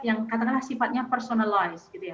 yang katakanlah sifatnya personalize